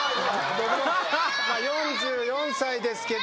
４４歳ですけど。